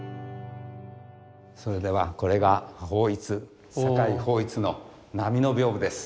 それではこれが抱一酒井抱一の波の屏風です。